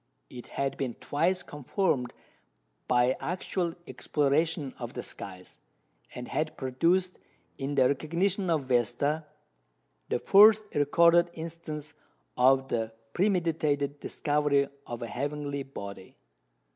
It had been twice confirmed by actual exploration of the skies, and had produced, in the recognition of Vesta, the first recorded instance of the premeditated discovery of a heavenly body.